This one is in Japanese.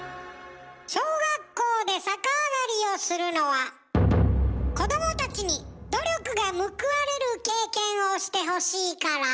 小学校で逆上がりをするのは子どもたちに努力が報われる経験をしてほしいから。